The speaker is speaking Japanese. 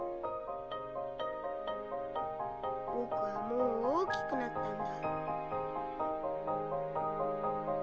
僕はもう大きくなったんだ。